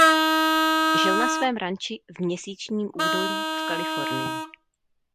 Žil na svém ranči v "Měsíčním údolí" v Kalifornii.